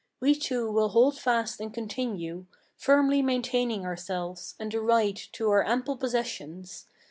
We two will hold fast and continue, Firmly maintaining ourselves, and the right to our ample possessions.